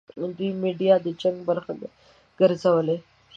دوی میډیا د جنګ برخه ګرځولې.